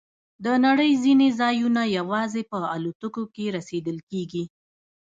د نړۍ ځینې ځایونه یوازې په الوتکو کې رسیدل کېږي.